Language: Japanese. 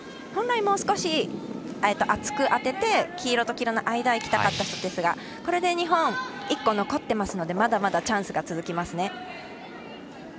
本来、もう少し厚く当てて、黄色と黄色の間に行きたかったんですが日本は１個残っていますのでまだまだチャンスが続きますね。